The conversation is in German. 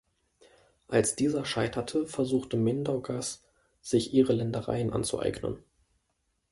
Als dieser scheiterte, versuchte Mindaugas, sich ihre Ländereien anzueignen.